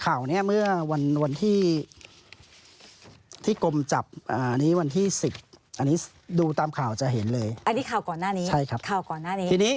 ก็คือที่เขาถูกจับในเรื่องครั้น